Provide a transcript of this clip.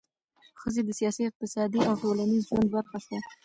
ښځې د سیاسي، اقتصادي او ټولنیز ژوند برخه شوه.